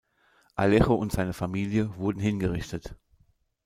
Aleixo und seine Familie wurden hingerichtet.